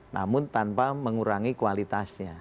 namun tanpa mengurangi kualitasnya